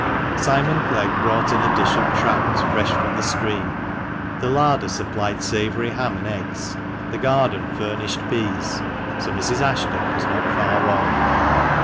Simon Clegg brought in a dish of trout fresh from the stream, the larder supplied savoury ham and eggs, the garden furnished peas, so Mrs. Ashton was not far wrong.